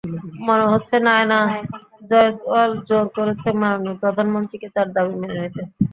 মনে হচ্ছে নায়না জয়সওয়াল জোর করেছে মাননীয় প্রধানমন্ত্রীকে তার দাবি মেনে নিতে।